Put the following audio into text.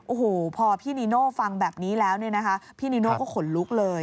โอ้โหพอพี่นีโน่ฟังแบบนี้แล้วเนี่ยนะคะพี่นีโน่ก็ขนลุกเลย